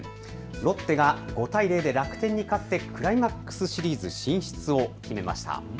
ロッテが５対０で楽天に勝ってクライマックスシリーズ進出を決めました。